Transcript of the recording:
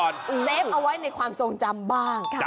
เซฟเอาไว้ในความทรงจำบ้าง